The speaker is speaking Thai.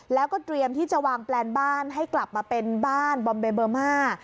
แล้วก็เตรียมที่จะวางแปลนบ้านให้กลับมาเป็นบ้านบอมเบเบอร์มา